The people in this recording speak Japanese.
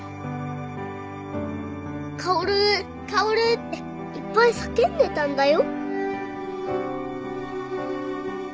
薫薫っていっぱい叫んでたんだよ。